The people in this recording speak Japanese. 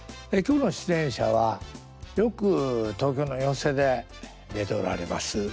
今日の出演者はよく東京の寄席で出ておられます